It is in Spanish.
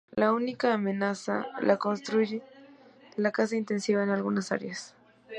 La única amenaza la constituye la caza intensiva en algunas áreas.